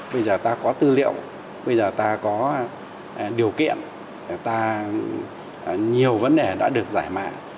bây giờ ta có tư liệu bây giờ ta có điều kiện ta nhiều vấn đề đã được giải mã